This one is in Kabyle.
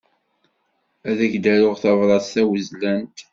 Ad ak-d-aruɣ tabṛat tawezlant.